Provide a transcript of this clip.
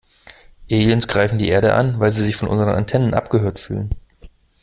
Aliens greifen die Erde an, weil sie sich von unseren Antennen abgehört fühlen.